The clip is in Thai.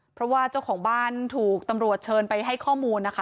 เพราะว่าเจ้าของบ้านถูกตำรวจเชิญไปให้ข้อมูลนะคะ